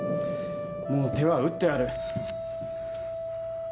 もう手は打ってある。